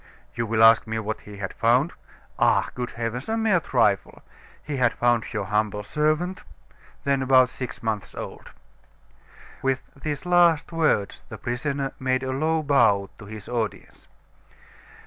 You will ask me what he had found? Ah! good heavens! A mere trifle. He had found your humble servant, then about six months old." With these last words, the prisoner made a low bow to his audience.